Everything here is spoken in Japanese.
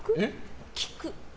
聞く。